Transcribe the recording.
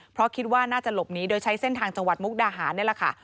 เพราะคิดว่าน่าจะหลบหนีโดยใช้เส้นทางจังหวัดมุกดาหารนี่แหละค่ะ